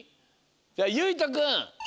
じゃあゆいとくん！